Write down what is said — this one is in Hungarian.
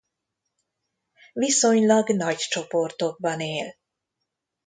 Viszonylag nagy csoportokban él.